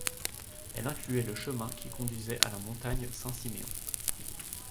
Elle incluait le chemin qui conduisait à la montagne Saint-Siméon.